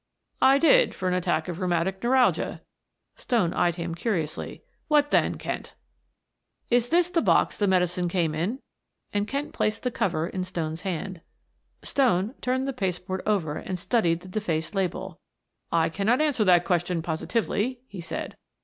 "I did, for an attack of rheumatic neuralgia." Stone eyed him curiously. "What then, Kent?" "Is this the box the medicine came in?" and Kent placed the cover in Stone's hand. Stone turned the paste board over and studied the defaced label. "I cannot answer that question positively," he said.